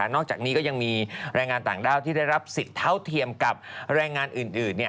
นอกจากนี้ก็ยังมีแรงงานต่างด้าวที่ได้รับสิทธิ์เท่าเทียมกับแรงงานอื่น